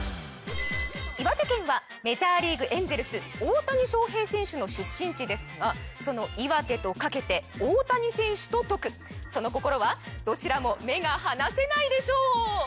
岩手県はメジャーリーグ・エンゼルス大谷翔平選手の出身地ですがその岩手とかけて大谷選手ととくそのこころはどちらも目が離せないでしょう